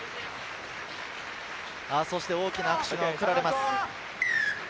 そして大きな拍手が送られます。